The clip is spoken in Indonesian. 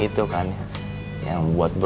tengah ya mbak